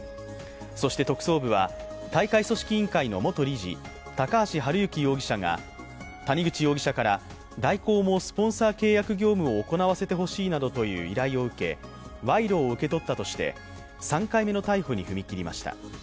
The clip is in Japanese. そして特捜部は大会組織委員会の元理事、高橋治之容疑者が谷口容疑者から大広もスポンサー契約業務を行わせてほしいなどという依頼を受け、賄賂を受け取ったとして３回目の逮捕に踏み切りました。